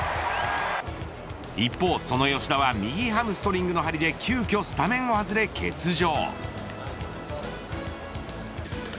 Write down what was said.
一方その吉田は右ハムストリングスの張りで急きょスタメンを外れ欠場。